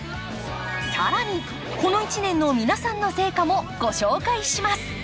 更にこの１年の皆さんの成果もご紹介します